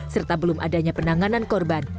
serta belum adanya penanganan korban